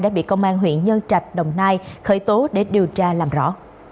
đã bị công an huyện nhân trạch đồng nai khởi tố để điều tra làm rõ